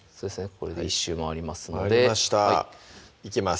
これで１周回りますのでいきます